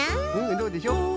どうでしょう？